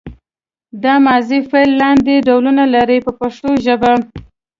دا ماضي فعل لاندې ډولونه لري په پښتو ژبه.